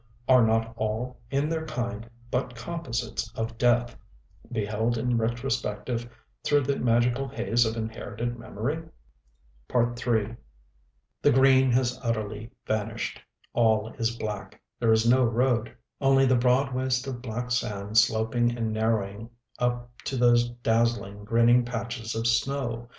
are not all, in their kind, but composites of death, beheld in retrospective through the magical haze of inherited memory? III The green has utterly vanished; all is black. There is no road, only the broad waste of black sand sloping and narrowing up to those dazzling, grinning patches of snow.